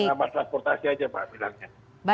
pengamat transportasi aja mbak